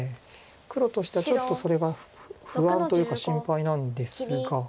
黒としてはちょっとそれは不安というか心配なんですが。